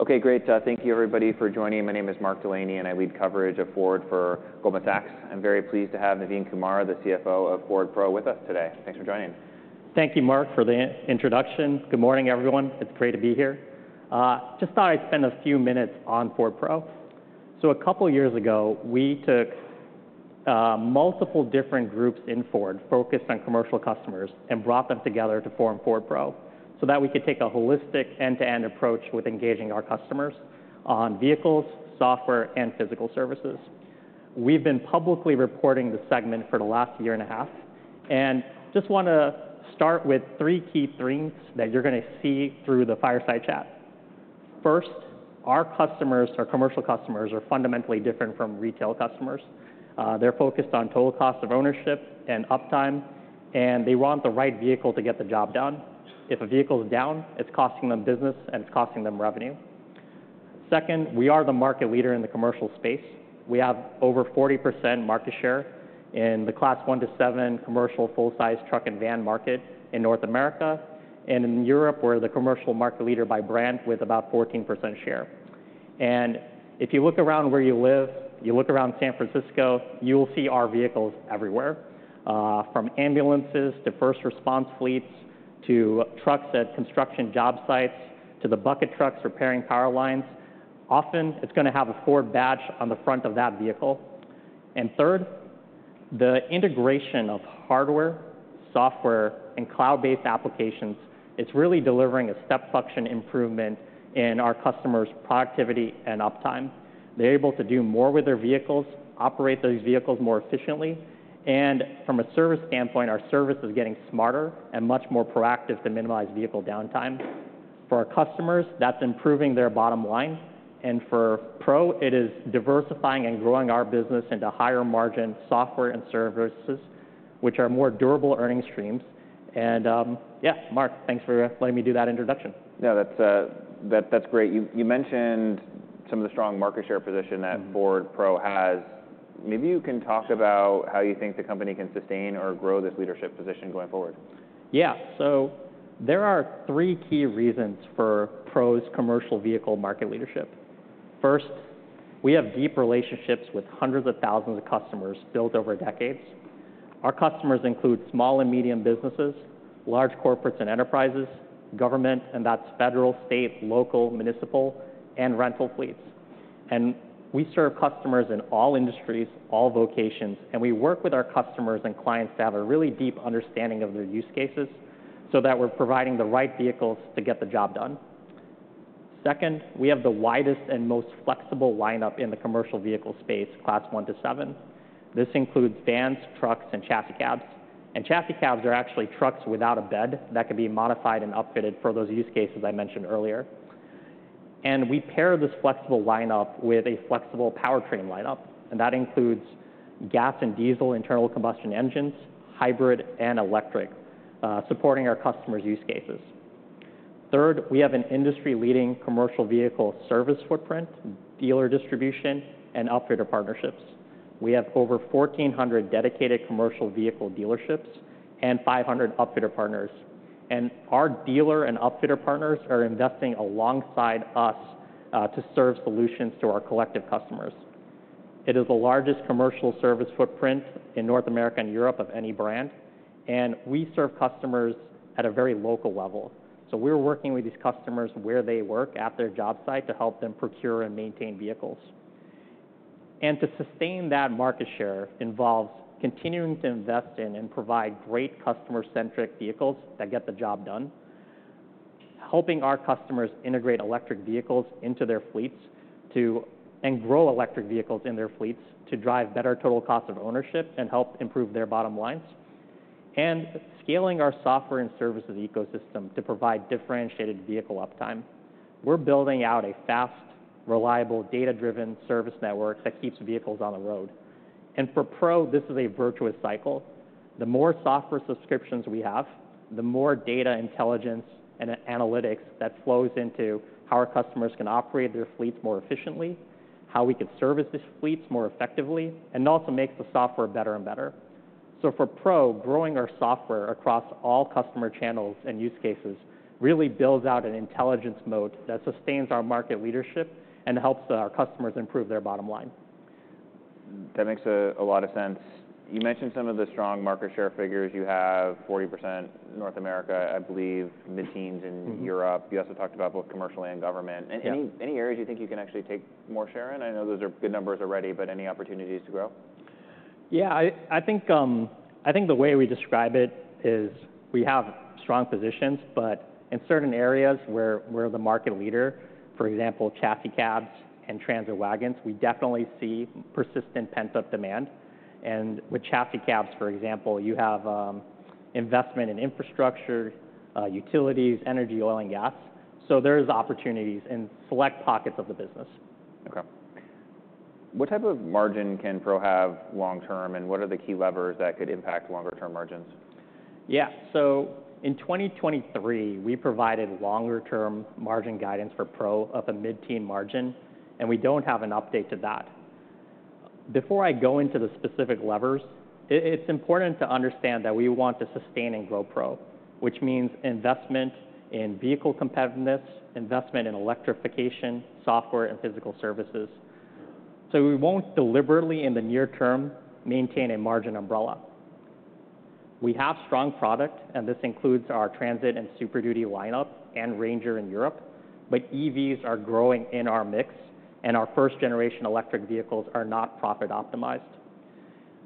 Okay, great. Thank you, everybody, for joining. My name is Mark Delaney, and I lead coverage of Ford for Goldman Sachs. I'm very pleased to have Navin Kumar, the CFO of Ford Pro, with us today. Thanks for joining. Thank you, Mark, for the introduction. Good morning, everyone. It's great to be here. Just thought I'd spend a few minutes on Ford Pro, so a couple years ago, we took multiple different groups in Ford focused on commercial customers and brought them together to form Ford Pro, so that we could take a holistic end-to-end approach with engaging our customers on vehicles, software, and physical services. We've been publicly reporting this segment for the last year and a half, and just wanna start with three key themes that you're gonna see through the fireside chat. First, our customers, our commercial customers, are fundamentally different from retail customers. They're focused on total cost of ownership and uptime, and they want the right vehicle to get the job done. If a vehicle is down, it's costing them business, and it's costing them revenue. Second, we are the market leader in the commercial space. We have over 40% market share in the Class 1-7 commercial full-size truck and van market in North America, and in Europe, we're the commercial market leader by brand with about 14% share. If you look around where you live, you look around San Francisco, you will see our vehicles everywhere, from ambulances to first response fleets, to trucks at construction job sites, to the bucket trucks repairing power lines. Often, it's gonna have a Ford badge on the front of that vehicle. Third, the integration of hardware, software, and cloud-based applications, it's really delivering a step function improvement in our customers' productivity and uptime. They're able to do more with their vehicles, operate those vehicles more efficiently, and from a service standpoint, our service is getting smarter and much more proactive to minimize vehicle downtime. For our customers, that's improving their bottom line, and for Pro, it is diversifying and growing our business into higher margin software and services, which are more durable earning streams. And, yeah, Mark, thanks for letting me do that introduction. No, that's great. You mentioned some of the strong market share position that Ford Pro at maybe you can talk about how you think the company can sustain or grow this leadership position going forward. Yeah. So there are three key reasons for Pro's commercial vehicle market leadership. First, we have deep relationships with hundreds of thousands of customers built over decades. Our customers include small and medium businesses, large corporates and enterprises, government, and that's federal, state, local, municipal, and rental fleets. And we serve customers in all industries, all vocations, and we work with our customers and clients to have a really deep understanding of their use cases so that we're providing the right vehicles to get the job done. Second, we have the widest and most flexible lineup in the commercial vehicle space, Class 1-7. This includes vans, trucks, and chassis cabs. And chassis cabs are actually trucks without a bed that can be modified and upfitted for those use cases I mentioned earlier. We pair this flexible lineup with a flexible powertrain lineup, and that includes gas and diesel, internal combustion engines, hybrid, and electric, supporting our customers' use cases. Third, we have an industry-leading commercial vehicle service footprint, dealer distribution, and upfitter partnerships. We have over 1,400 dedicated commercial vehicle dealerships and 500 upfitter partners. Our dealer and upfitter partners are investing alongside us to serve solutions to our collective customers. It is the largest commercial service footprint in North America and Europe of any brand, and we serve customers at a very local level. We're working with these customers where they work at their job site to help them procure and maintain vehicles. To sustain that market share involves continuing to invest in and provide great customer-centric vehicles that get the job done. Helping our customers integrate electric vehicles into their fleets, to and grow electric vehicles in their fleets to drive better total cost of ownership and help improve their bottom lines, and scaling our software and services ecosystem to provide differentiated vehicle uptime. We're building out a fast, reliable, data-driven service network that keeps vehicles on the road. And for Pro, this is a virtuous cycle. The more software subscriptions we have, the more data intelligence and analytics that flows into how our customers can operate their fleets more efficiently, how we can service these fleets more effectively, and also make the software better and better, so for Pro, growing our software across all customer channels and use cases really builds out an intelligence moat that sustains our market leadership and helps our customers improve their bottom line. That makes a lot of sense. You mentioned some of the strong market share figures. You have 40% North America, I believe, mid-teens in Europe. You also talked about both commercial and government. Yeah. Any, any areas you think you can actually take more share in? I know those are good numbers already, but any opportunities to grow? Yeah, I think the way we describe it is we have strong positions, but in certain areas where we're the market leader, for example, chassis cabs and Transit wagons, we definitely see persistent pent-up demand. And with chassis cabs, for example, you have investment in infrastructure, utilities, energy, oil and gas. So there's opportunities in select pockets of the business. Okay. What type of margin can Pro have long term, and what are the key levers that could impact longer term margins? Yeah. So in 2023, we provided longer-term margin guidance for Pro of a mid-teen margin, and we don't have an update to that. Before I go into the specific levers, it's important to understand that we want to sustain in Pro, which means investment in vehicle competitiveness, investment in electrification, software, and physical services. So we won't deliberately, in the near term, maintain a margin umbrella. We have strong product, and this includes our Transit and Super Duty lineup and Ranger in Europe, but EVs are growing in our mix, and our first-generation electric vehicles are not profit-optimized.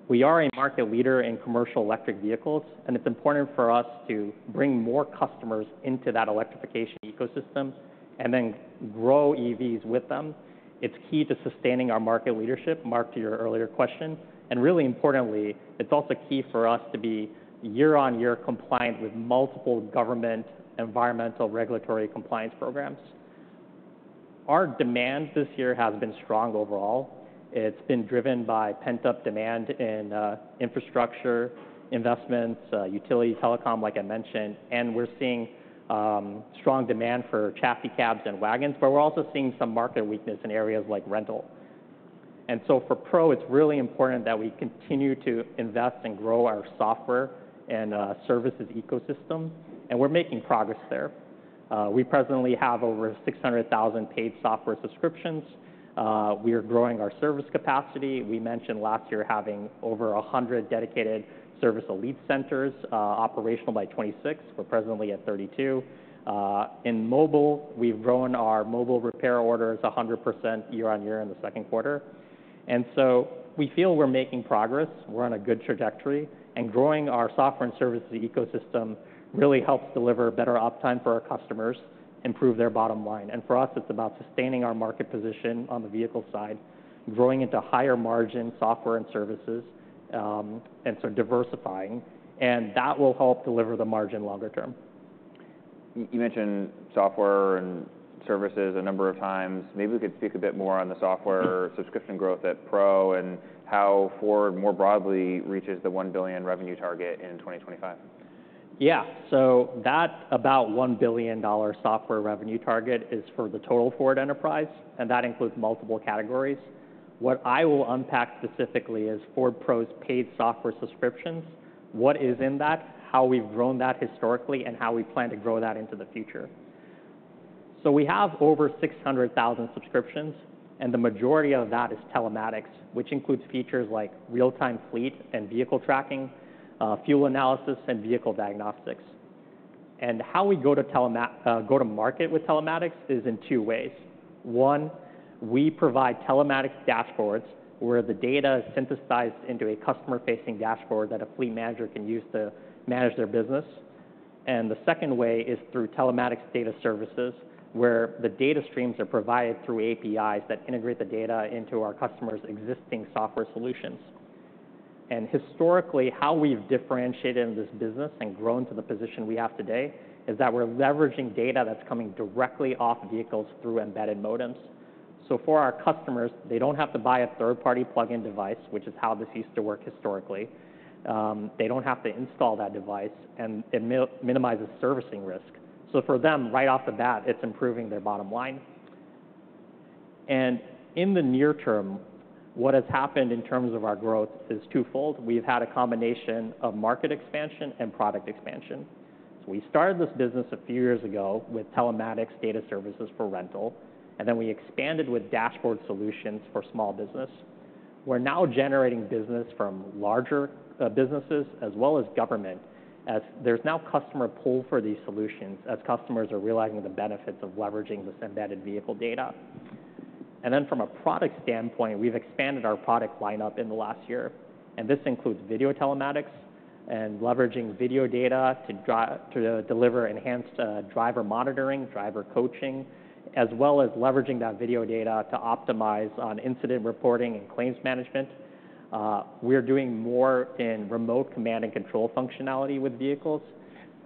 We are a market leader in commercial electric vehicles, and it's important for us to bring more customers into that electrification ecosystem and then grow EVs with them. It's key to sustaining our market leadership, Mark, to your earlier question, and really importantly, it's also key for us to be year-on-year compliant with multiple government environmental regulatory compliance programs. Our demand this year has been strong overall. It's been driven by pent-up demand in infrastructure, investments, utility, telecom, like I mentioned, and we're seeing strong demand for chassis, cabs, and wagons, but we're also seeing some market weakness in areas like rental, and so for Pro, it's really important that we continue to invest and grow our software and services ecosystem, and we're making progress there. We presently have over 600,000 paid software subscriptions. We are growing our service capacity. We mentioned last year having over 100 dedicated Service Elite centers operational by 2026. We're presently at 32. In mobile, we've grown our mobile repair orders 100% year-on-year in the second quarter, and so we feel we're making progress. We're on a good trajectory, and growing our software and services ecosystem really helps deliver better uptime for our customers, improve their bottom line, and for us, it's about sustaining our market position on the vehicle side, growing into higher margin software and services, and so diversifying, and that will help deliver the margin longer term. You mentioned software and services a number of times. Maybe we could speak a bit more on the software subscription growth at Pro and how Ford more broadly reaches the $1 billion revenue target in 2025. Yeah. So that $1 billion software revenue target is for the total Ford enterprise, and that includes multiple categories. What I will unpack specifically is Ford Pro's paid software subscriptions, what is in that, how we've grown that historically, and how we plan to grow that into the future. So we have over 600,000 subscriptions, and the majority of that is telematics, which includes features like real-time fleet and vehicle tracking, fuel analysis, and vehicle diagnostics. And how we go to market with telematics is in two ways. One, we provide telematics dashboards, where the data is synthesized into a customer-facing dashboard that a fleet manager can use to manage their business. And the second way is through telematics data services, where the data streams are provided through APIs that integrate the data into our customers' existing software solutions. And historically, how we've differentiated in this business and grown to the position we have today, is that we're leveraging data that's coming directly off vehicles through embedded modems. So for our customers, they don't have to buy a third-party plug-in device, which is how this used to work historically. They don't have to install that device, and it minimizes servicing risk. So for them, right off the bat, it's improving their bottom line. And in the near term, what has happened in terms of our growth is twofold. We've had a combination of market expansion and product expansion. So we started this business a few years ago with telematics data services for rental, and then we expanded with dashboard solutions for small business. We're now generating business from larger businesses as well as government, as there's now customer pull for these solutions as customers are realizing the benefits of leveraging this embedded vehicle data. And then from a product standpoint, we've expanded our product lineup in the last year, and this includes video telematics and leveraging video data to deliver enhanced driver monitoring, driver coaching, as well as leveraging that video data to optimize on incident reporting and claims management. We're doing more in remote command and control functionality with vehicles.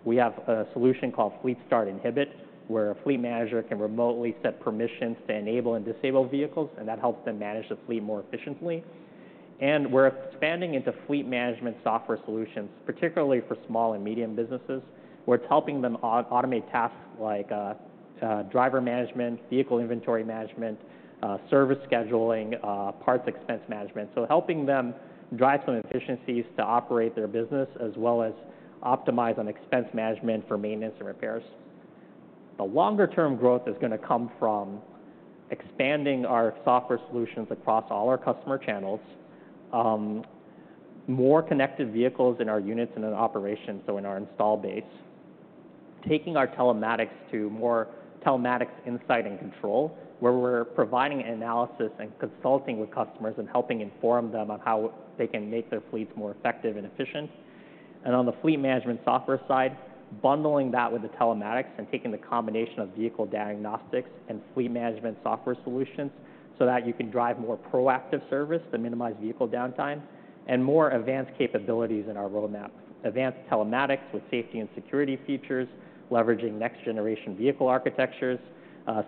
We have a solution called Fleet Start Inhibit, where a fleet manager can remotely set permissions to enable and disable vehicles, and that helps them manage the fleet more efficiently. And we're expanding into fleet management software solutions, particularly for small and medium businesses. We're helping them automate tasks like driver management, vehicle inventory management, service scheduling, parts expense management, so helping them drive some efficiencies to operate their business, as well as optimize on expense management for maintenance and repairs. The longer-term growth is gonna come from expanding our software solutions across all our customer channels, more connected vehicles in our units and in operations, so in our install base, taking our telematics to more telematics insight and control, where we're providing analysis and consulting with customers and helping inform them on how they can make their fleets more effective and efficient. On the fleet management software side, bundling that with the telematics and taking the combination of vehicle diagnostics and fleet management software solutions so that you can drive more proactive service to minimize vehicle downtime and more advanced capabilities in our roadmap, advanced telematics with safety and security features, leveraging next-generation vehicle architectures,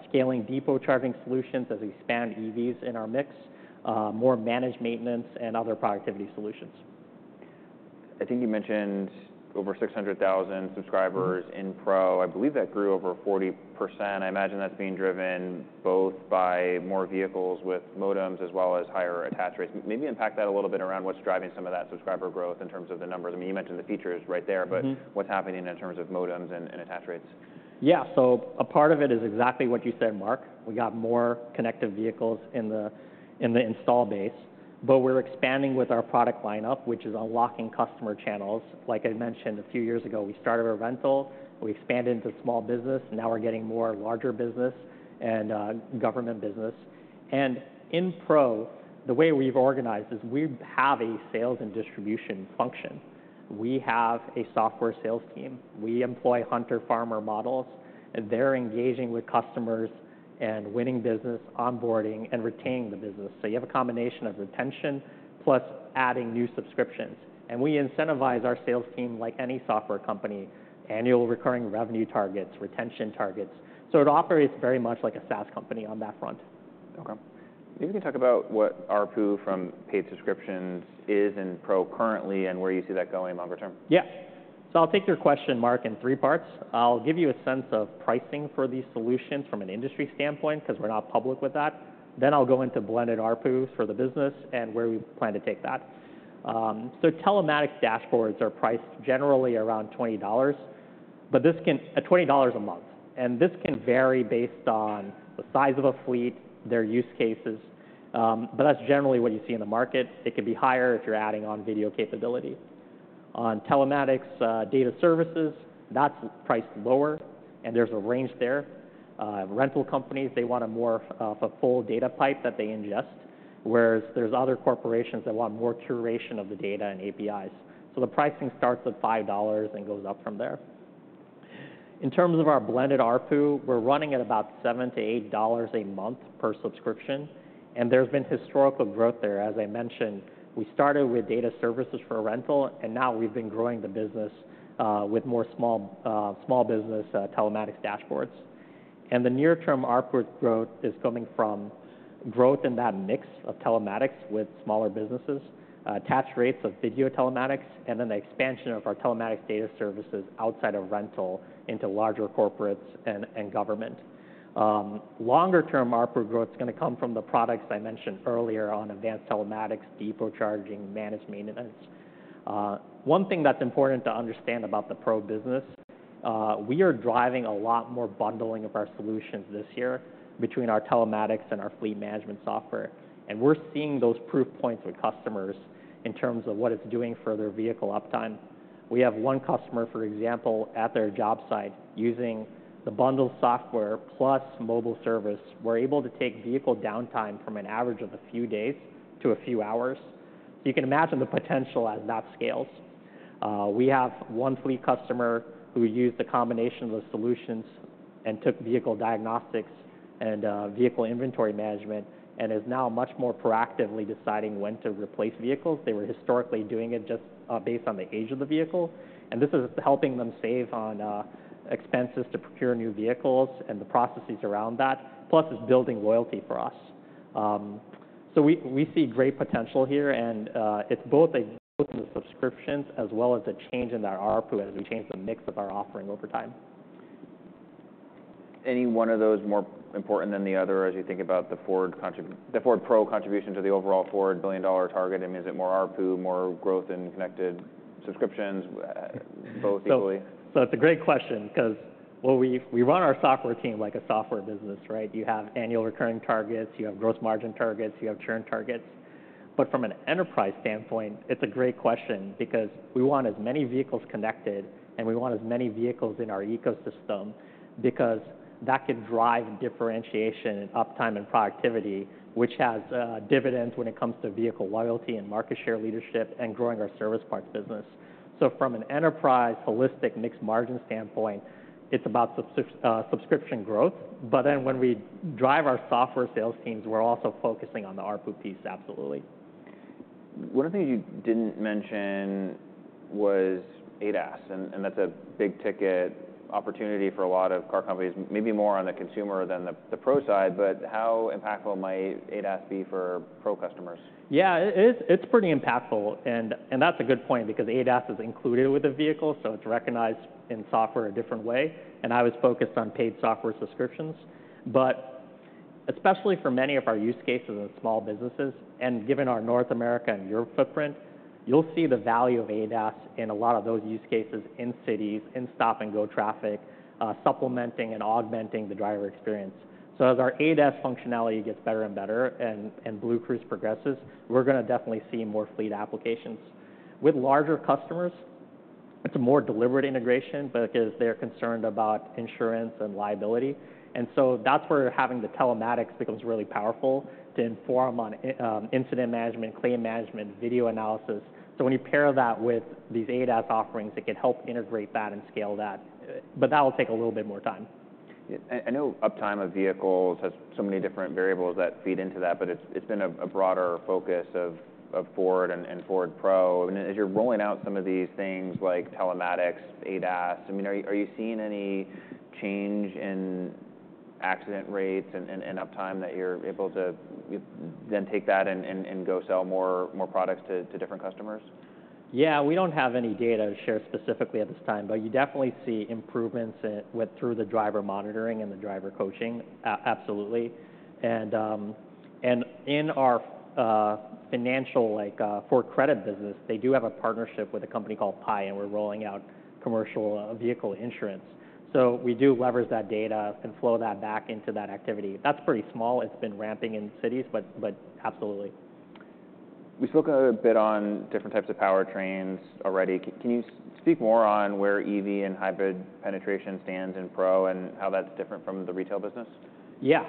scaling depot charging solutions as we expand EVs in our mix, more managed maintenance, and other productivity solutions. I think you mentioned over 600,000 subscribers in Pro. I believe that grew over 40%. I imagine that's being driven both by more vehicles with modems as well as higher attach rates. Maybe impact that a little bit around what's driving some of that subscriber growth in terms of the numbers. I mean, you mentioned the features right there but what's happening in terms of modems and attach rates? Yeah. So a part of it is exactly what you said, Mark. We got more connected vehicles in the install base, but we're expanding with our product lineup, which is unlocking customer channels. Like I mentioned, a few years ago, we started our rental, we expanded into small business, and now we're getting more larger business and government business. And in Pro, the way we've organized is we have a sales and distribution function. We have a software sales team. We employ hunter-farmer models, and they're engaging with customers and winning business, onboarding, and retaining the business. So you have a combination of retention, plus adding new subscriptions. And we incentivize our sales team like any software company: annual recurring revenue targets, retention targets. So it operates very much like a SaaS company on that front. Okay. Maybe you can talk about what ARPU from paid subscriptions is in Pro currently, and where you see that going longer term? Yeah. I'll take your question, Mark, in three parts. I'll give you a sense of pricing for these solutions from an industry standpoint, 'cause we're not public with that. Then I'll go into blended ARPUs for the business and where we plan to take that. Telematics dashboards are priced generally around $20, but $20 a month, and this can vary based on the size of a fleet, their use cases, but that's generally what you see in the market. It could be higher if you're adding on video capability. On telematics data services, that's priced lower, and there's a range there. Rental companies, they want a more, a full data pipe that they ingest, whereas there's other corporations that want more curation of the data and APIs. So the pricing starts at $5 and goes up from there. In terms of our blended ARPU, we're running at about $7-$8 a month per subscription, and there's been historical growth there. As I mentioned, we started with data services for rental, and now we've been growing the business with more small business telematics dashboards. And the near-term ARPU growth is coming from growth in that mix of telematics with smaller businesses, attach rates of video telematics, and then the expansion of our telematics data services outside of rental into larger corporates and government. Longer term ARPU growth is gonna come from the products I mentioned earlier on advanced telematics, depot charging, managed maintenance. One thing that's important to understand about the Pro business, we are driving a lot more bundling of our solutions this year between our telematics and our fleet management software, and we're seeing those proof points with customers in terms of what it's doing for their vehicle uptime. We have one customer, for example, at their job site, using the bundle software plus mobile service. We're able to take vehicle downtime from an average of a few days to a few hours, so you can imagine the potential as that scales. We have one fleet customer who used a combination of the solutions and took vehicle diagnostics and vehicle inventory management, and is now much more proactively deciding when to replace vehicles. They were historically doing it just based on the age of the vehicle, and this is helping them save on expenses to procure new vehicles and the processes around that, plus it's building loyalty for us. So we see great potential here, and it's both a subscriptions as well as a change in our ARPU as we change the mix of our offering over time. Any one of those more important than the other as you think about the Ford Pro contribution to the overall Ford billion-dollar target? I mean, is it more ARPU, more growth in connected subscriptions, both equally? So it's a great question, 'cause, well, we run our software team like a software business, right? You have annual recurring targets, you have gross margin targets, you have churn targets. But from an enterprise standpoint, it's a great question because we want as many vehicles connected, and we want as many vehicles in our ecosystem because that can drive differentiation and uptime and productivity, which has dividends when it comes to vehicle loyalty and market share leadership and growing our service parts business. So from an enterprise, holistic, mixed margin standpoint, it's about subscription growth. But then when we drive our software sales teams, we're also focusing on the ARPU piece, absolutely. One of the things you didn't mention was ADAS, and that's a big-ticket opportunity for a lot of car companies, maybe more on the consumer than the Pro side, but how impactful might ADAS be for Pro customers? Yeah, it is, it's pretty impactful, and, and that's a good point because ADAS is included with the vehicle, so it's recognized in software a different way, and I was focused on paid software subscriptions. But especially for many of our use cases with small businesses, and given our North America and Europe footprint, you'll see the value of ADAS in a lot of those use cases in cities, in stop-and-go traffic, supplementing and augmenting the driver experience. So as our ADAS functionality gets better and better and, and BlueCruise progresses, we're gonna definitely see more fleet applications. With larger customers, it's a more deliberate integration because they're concerned about insurance and liability. And so that's where having the telematics becomes really powerful to inform on incident management, claim management, video analysis. So when you pair that with these ADAS offerings, it can help integrate that and scale that, but that will take a little bit more time. I know uptime of vehicles has so many different variables that feed into that, but it's been a broader focus of Ford and Ford Pro. And as you're rolling out some of these things like telematics, ADAS, I mean, are you seeing any change in accident rates and uptime that you're able to then take that and go sell more products to different customers? Yeah, we don't have any data to share specifically at this time, but you definitely see improvements in, with, through the driver monitoring and the driver coaching, absolutely. And in our financial, like, Ford Credit business, they do have a partnership with a company called Pie, and we're rolling out commercial vehicle insurance. So we do leverage that data and flow that back into that activity. That's pretty small. It's been ramping in cities, but absolutely. We spoke a bit on different types of powertrains already. Can you speak more on where EV and hybrid penetration stands in Pro and how that's different from the retail business? Yeah.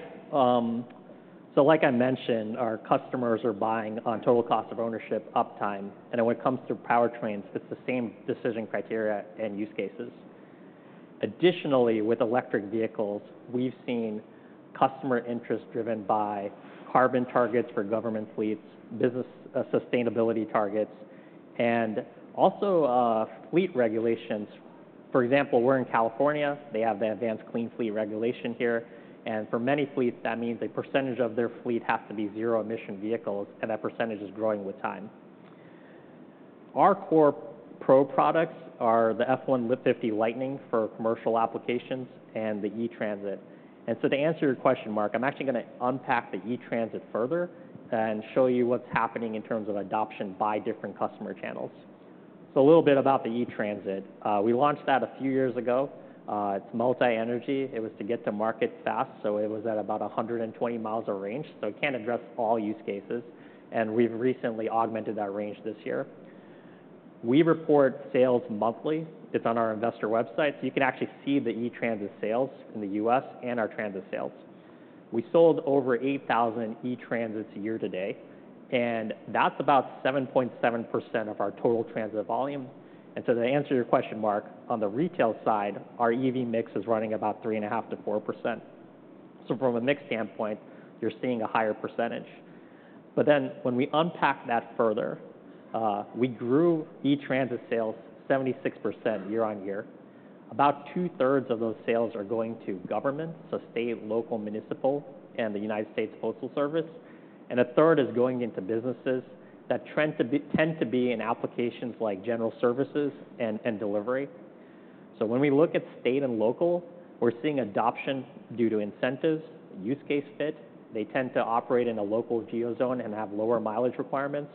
So like I mentioned, our customers are buying on total cost of ownership, uptime, and when it comes to powertrains, it's the same decision criteria and use cases. Additionally, with electric vehicles, we've seen customer interest driven by carbon targets for government fleets, business, sustainability targets, and also, fleet regulations. For example, we're in California, they have the Advanced Clean Fleet regulation here, and for many fleets, that means a percentage of their fleet has to be zero-emission vehicles, and that percentage is growing with time. Our core Pro products are the F-150 Lightning for commercial applications and the E-Transit. And so to answer your question, Mark, I'm actually gonna unpack the E-Transit further and show you what's happening in terms of adoption by different customer channels. So a little bit about the E-Transit. We launched that a few years ago. It's multi-energy. It was to get to market fast, so it was at about 120 miles of range, so it can't address all use cases, and we've recently augmented that range this year. We report sales monthly. It's on our investor website, so you can actually see the E-Transit sales in the U.S. and our Transit sales. We sold over 8,000 E-Transits year to date, and that's about 7.7% of our total Transit volume. And so to answer your question, Mark, on the retail side, our EV mix is running about 3.5-4%. So from a mix standpoint, you're seeing a higher percentage. But then, when we unpack that further, we grew E-Transit sales 76% year-on-year. About two-thirds of those sales are going to government, so state, local, municipal, and the United States Postal Service, and a third is going into businesses that tend to be in applications like general services and delivery, so when we look at state and local, we're seeing adoption due to incentives, use case fit, they tend to operate in a local geo zone and have lower mileage requirements,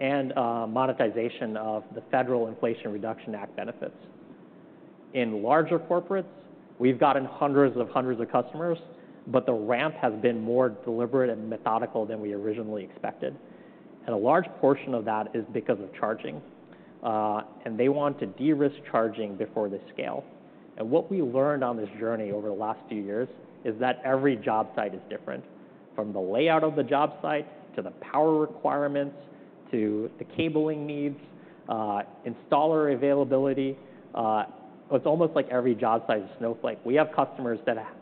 and monetization of the federal Inflation Reduction Act benefits. In larger corporates, we've gotten hundreds of customers, but the ramp has been more deliberate and methodical than we originally expected, and a large portion of that is because of charging, and they want to de-risk charging before they scale. And what we learned on this journey over the last few years is that every job site is different, from the layout of the job site, to the power requirements, to the cabling needs, installer availability. It's almost like every job site is snowflake. We have customers that have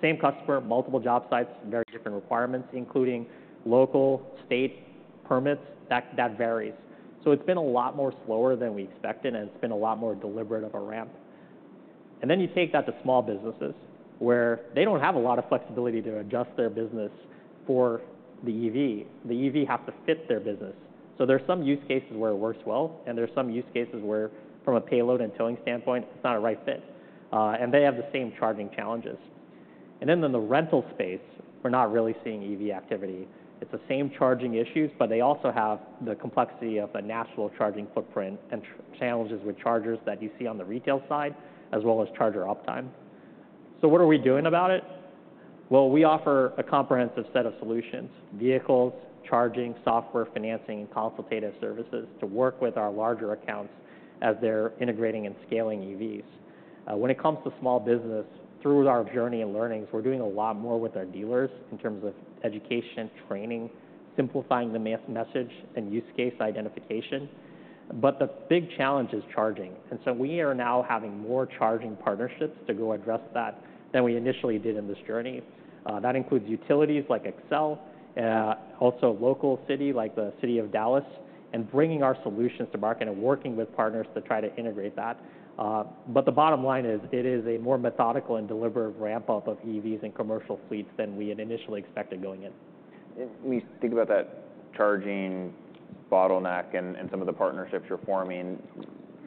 same customer, multiple job sites, very different requirements, including local, state permits. That varies. So it's been a lot more slower than we expected, and it's been a lot more deliberate of a ramp. And then you take that to small businesses, where they don't have a lot of flexibility to adjust their business for the EV. The EV has to fit their business. So there are some use cases where it works well, and there are some use cases where, from a payload and towing standpoint, it's not a right fit, and they have the same charging challenges. And then in the rental space, we're not really seeing EV activity. It's the same charging issues, but they also have the complexity of a national charging footprint and challenges with chargers that you see on the retail side, as well as charger uptime. So what are we doing about it? Well, we offer a comprehensive set of solutions: vehicles, charging, software, financing, and consultative services to work with our larger accounts as they're integrating and scaling EVs. When it comes to small business, through our journey and learnings, we're doing a lot more with our dealers in terms of education, training, simplifying the messaging, and use case identification. But the big challenge is charging, and so we are now having more charging partnerships to go address that than we initially did in this journey. That includes utilities like Xcel, also local city, like the city of Dallas, and bringing our solutions to market and working with partners to try to integrate that. But the bottom line is, it is a more methodical and deliberate ramp-up of EVs and commercial fleets than we had initially expected going in. When we think about that charging bottleneck and some of the partnerships you're forming,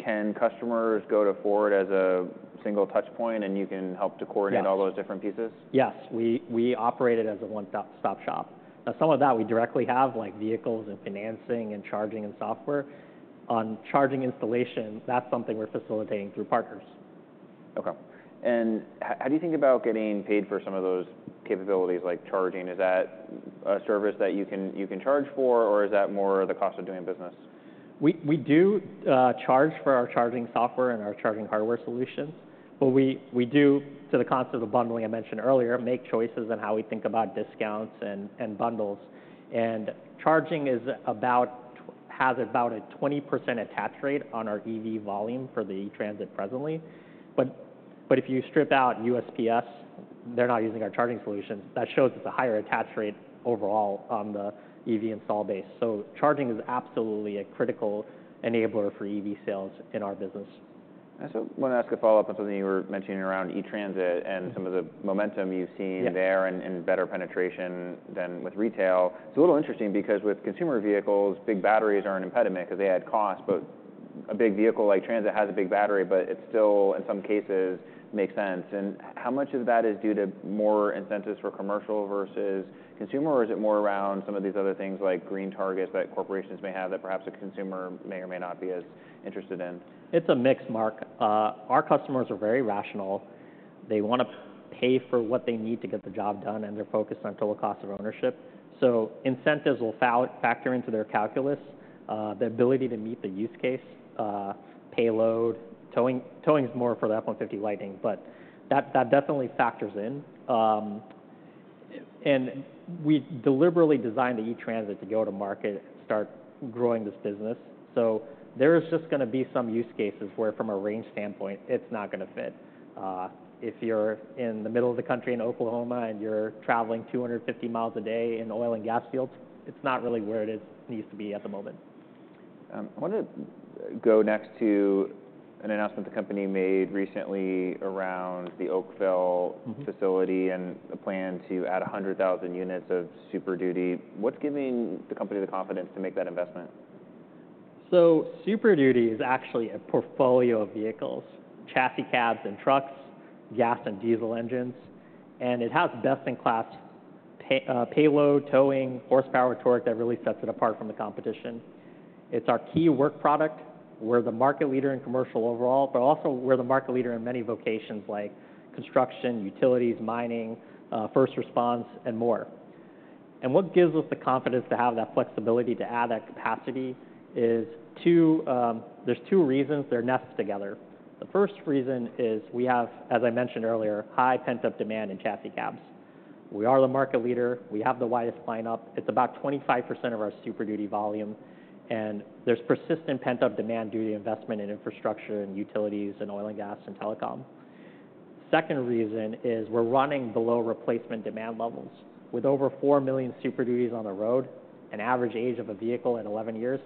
can customers go to Ford as a single touch point, and you can help to coordinate. Yes All those different pieces? Yes. We operate it as a one-stop shop. Now, some of that we directly have, like vehicles and financing and charging and software. On charging installation, that's something we're facilitating through partners. Okay. And how do you think about getting paid for some of those capabilities, like charging? Is that a service that you can charge for, or is that more the cost of doing business? We do charge for our charging software and our charging hardware solutions, but we do, to the concept of bundling I mentioned earlier, make choices on how we think about discounts and bundles. And charging has about a 20% attach rate on our EV volume for the E-Transit presently. But if you strip out USPS, they're not using our charging solutions. That shows it's a higher attach rate overall on the EV installed base. So charging is absolutely a critical enabler for EV sales in our business. I also want to ask a follow-up on something you were mentioning around E-Transit and some of the momentum you've seen. Yeah Better penetration than with retail. It's a little interesting because with consumer vehicles, big batteries are an impediment 'cause they add cost, but a big vehicle like Transit has a big battery, but it still, in some cases, makes sense. And how much of that is due to more incentives for commercial versus consumer, or is it more around some of these other things like green targets that corporations may have that perhaps a consumer may or may not be as interested in? It's a mix, Mark. Our customers are very rational. They wanna pay for what they need to get the job done, and they're focused on total cost of ownership. So incentives will factor into their calculus, the ability to meet the use case, payload, towing. Towing is more for the F-150 Lightning, but that definitely factors in, and we deliberately designed the E-Transit to go to market, start growing this business. So there is just gonna be some use cases where, from a range standpoint, it's not gonna fit. If you're in the middle of the country in Oklahoma, and you're traveling 250 miles a day in oil and gas fields, it's not really where it needs to be at the moment. I wanted to go next to an announcement the company made recently around the Oakville facility and the plan to add 100,000 units of Super Duty. What's giving the company the confidence to make that investment? Super Duty is actually a portfolio of vehicles, chassis cabs and trucks, gas and diesel engines, and it has best-in-class payload, towing, horsepower torque that really sets it apart from the competition. It's our key work product. We're the market leader in commercial overall, but also we're the market leader in many vocations like construction, utilities, mining, first response, and more. What gives us the confidence to have that flexibility to add that capacity is two. There's two reasons, they're nested together. The first reason is we have, as I mentioned earlier, high pent-up demand in chassis cabs. We are the market leader. We have the widest lineup. It's about 25% of our Super Duty volume, and there's persistent pent-up demand due to investment in infrastructure, and utilities, and oil and gas, and telecom. Second reason is we're running below replacement demand levels. With over four million Super Duty on the road, an average age of a vehicle at eleven years,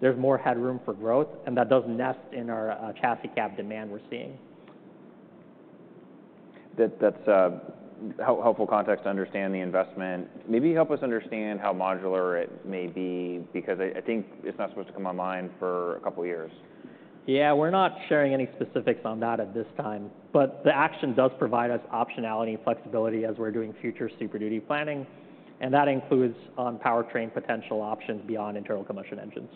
there's more headroom for growth, and that does nest in our chassis cab demand we're seeing. That, that's a helpful context to understand the investment. Maybe help us understand how modular it may be, because I think it's not supposed to come online for a couple of years. Yeah, we're not sharing any specifics on that at this time, but the action does provide us optionality and flexibility as we're doing future Super Duty planning, and that includes on powertrain potential options beyond internal combustion engines.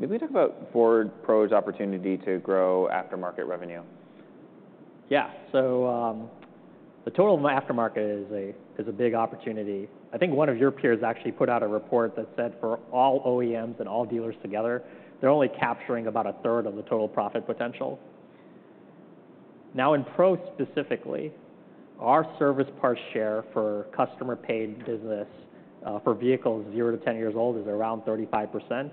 Can we talk about Ford Pro's opportunity to grow aftermarket revenue? Yeah. So, the total aftermarket is a big opportunity. I think one of your peers actually put out a report that said for all OEMs and all dealers together, they're only capturing about a third of the total profit potential. Now, in Pro specifically, our service parts share for customer-paid business, for vehicles zero to 10 years old, is around 35%,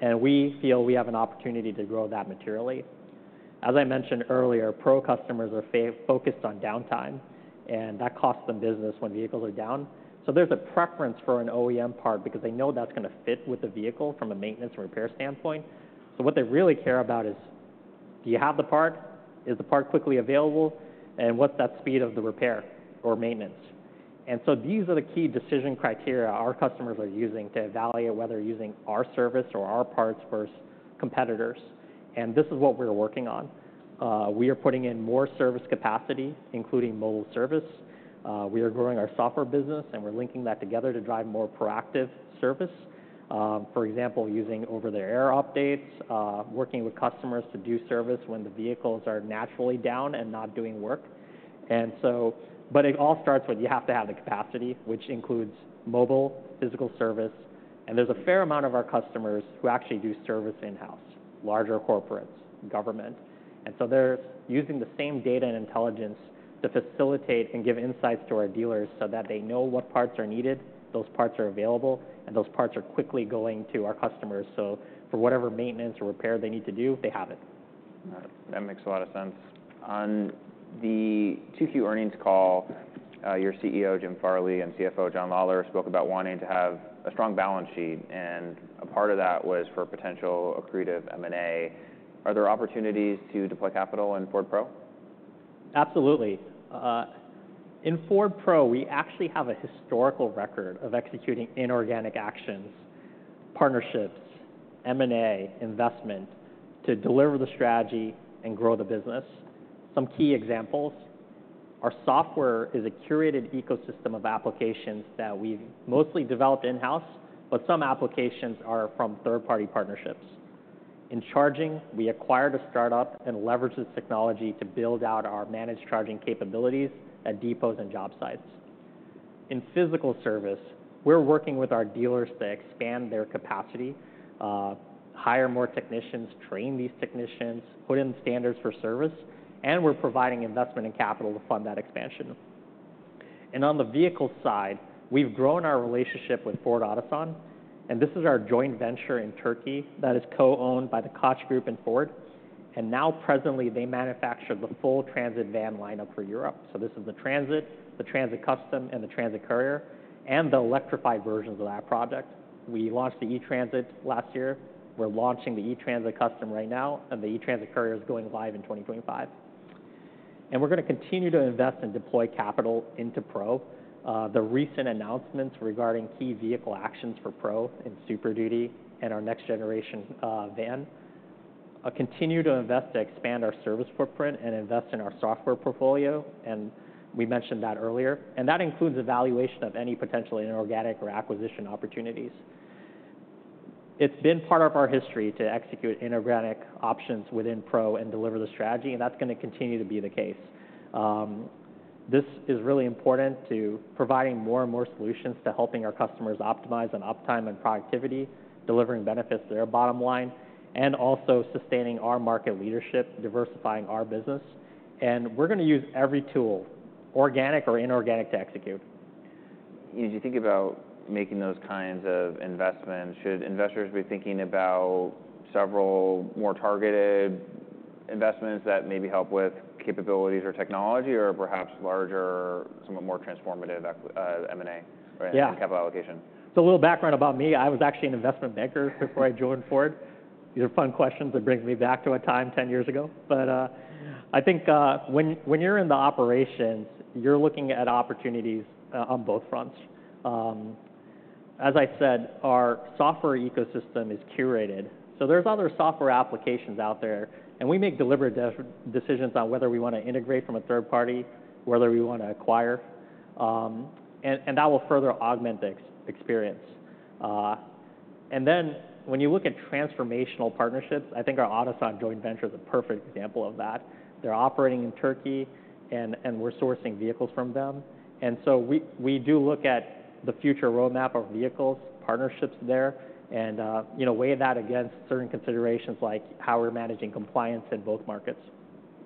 and we feel we have an opportunity to grow that materially. As I mentioned earlier, Pro customers are focused on downtime, and that costs them business when vehicles are down. So there's a preference for an OEM part because they know that's gonna fit with the vehicle from a maintenance and repair standpoint. So what they really care about is: Do you have the part? Is the part quickly available? And what's that speed of the repair or maintenance? These are the key decision criteria our customers are using to evaluate whether using our service or our parts versus competitors, and this is what we're working on. We are putting in more service capacity, including mobile service. We are growing our software business, and we're linking that together to drive more proactive service, for example, using over-the-air updates, working with customers to do service when the vehicles are naturally down and not doing work. But it all starts with you have to have the capacity, which includes mobile, physical service, and there's a fair amount of our customers who actually do service in-house, larger corporates, government. And so they're using the same data and intelligence to facilitate and give insights to our dealers so that they know what parts are needed, those parts are available, and those parts are quickly going to our customers. So for whatever maintenance or repair they need to do, they have it. All right. That makes a lot of sense. On the 2Q earnings call, your CEO, Jim Farley, and CFO, John Lawler, spoke about wanting to have a strong balance sheet, and a part of that was for potential accretive M&A. Are there opportunities to deploy capital in Ford Pro? Absolutely. In Ford Pro, we actually have a historical record of executing inorganic actions, partnerships, M&A, investment, to deliver the strategy and grow the business. Some key examples: Our software is a curated ecosystem of applications that we've mostly developed in-house, but some applications are from third-party partnerships. In charging, we acquired a startup and leveraged its technology to build out our managed charging capabilities at depots and job sites. In physical service, we're working with our dealers to expand their capacity, hire more technicians, train these technicians, put in standards for service, and we're providing investment and capital to fund that expansion. And on the vehicle side, we've grown our relationship with Ford Otosan, and this is our joint venture in Turkey that is co-owned by the Koç Group and Ford. And now presently, they manufacture the full Transit van lineup for Europe. This is the Transit, the Transit Custom, and the Transit Courier, and the electrified versions of that product. We launched the E-Transit last year. We're launching the E-Transit Custom right now, and the E-Transit Courier is going live in 2025. We're gonna continue to invest and deploy capital into Pro. The recent announcements regarding key vehicle actions for Pro and Super Duty and our next generation van continue to invest to expand our service footprint and invest in our software portfolio, and we mentioned that earlier. That includes evaluation of any potential inorganic or acquisition opportunities. It's been part of our history to execute inorganic options within Pro and deliver the strategy, and that's gonna continue to be the case. This is really important to providing more and more solutions to helping our customers optimize on uptime and productivity, delivering benefits to their bottom line, and also sustaining our market leadership, diversifying our business. And we're gonna use every tool, organic or inorganic, to execute. As you think about making those kinds of investments, should investors be thinking about several more targeted investments that maybe help with capabilities or technology, or perhaps larger, somewhat more transformative M&A? Yeah Or capital allocation? So a little background about me, I was actually an investment banker before I joined Ford. These are fun questions that bring me back to a time 10 years ago. But I think when you're in the operations, you're looking at opportunities on both fronts. As I said, our software ecosystem is curated, so there's other software applications out there, and we make deliberate decisions on whether we want to integrate from a third party, whether we want to acquire, and that will further augment the experience. And then, when you look at transformational partnerships, I think our Otosan joint venture is a perfect example of that. They're operating in Turkey, and we're sourcing vehicles from them. We do look at the future roadmap of vehicles, partnerships there, and, you know, weigh that against certain considerations like how we're managing compliance in both markets.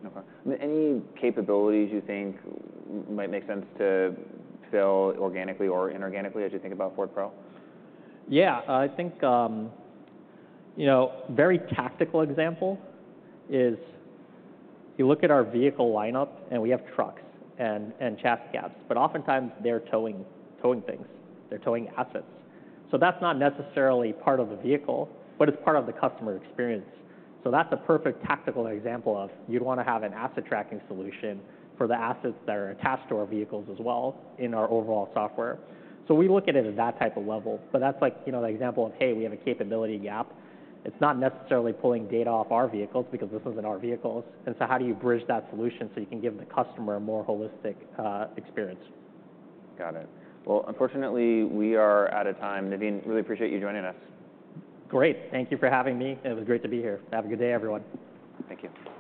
Okay. Any capabilities you think might make sense to fill organically or inorganically as you think about Ford Pro? Yeah. I think, you know, very tactical example is, you look at our vehicle lineup, and we have trucks and chassis cabs, but oftentimes they're towing things, they're towing assets. So that's not necessarily part of the vehicle, but it's part of the customer experience. So that's a perfect tactical example of you'd want to have an asset tracking solution for the assets that are attached to our vehicles as well in our overall software. So we look at it at that type of level, but that's like, you know, the example of, hey, we have a capability gap. It's not necessarily pulling data off our vehicles, because this isn't our vehicles, and so how do you bridge that solution so you can give the customer a more holistic experience? Got it. Well, unfortunately, we are out of time. Navin, really appreciate you joining us. Great. Thank you for having me, and it was great to be here. Have a good day, everyone. Thank you.